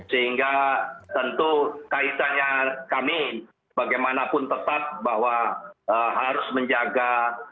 sehingga tentu kaitannya kami bagaimanapun tetap bahwa harus menjaga